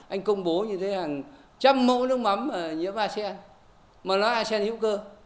anh công bố như thế hàng trăm mẫu nước mắm nhóm arsen mà nó arsen hữu cơ